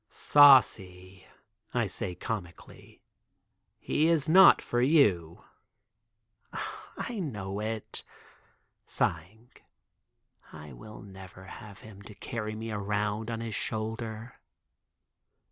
"Saucy," I say comically, "he is not for you." "I know it," sighing, "I will never have him to carry me around on his shoulder."